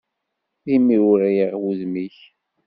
D imiwriɣ wudem-ik.